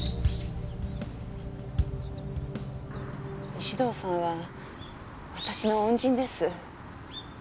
石堂さんは私の恩人です。